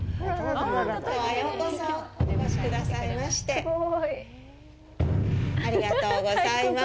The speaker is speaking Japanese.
きょうはようこそお越しくださいましてありがとうございます。